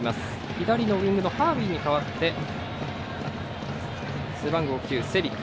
左のウィングのハービーに代わって背番号９、セビク。